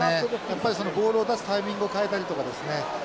やっぱりボールを出すタイミングを変えたりとかですね